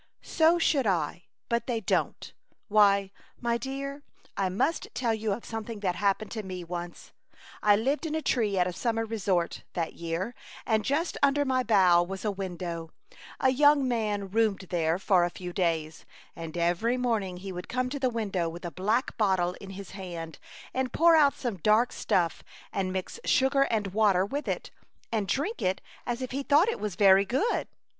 "So should I, but they don't. Why, my dear, I must tell you of some thing that happened to me once. I 76 A Chautauqua Idyl. lived in a tree at a summer resort, that year, and just under my bough was a window ; a young man roomed there for a few days, and every morn ing he would come to the window with a black bottle in his hand, and pour out some dark stuff and mix sugar and water with it, and drink it as if he thought it was very good.